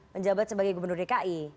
menjabat sebagai gubernur dki